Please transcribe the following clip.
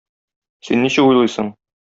Син ничек уйлыйсың?